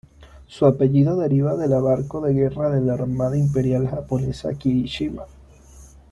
Su apellido deriva de la barco de guerra de la Armada Imperial Japonesa Kirishima.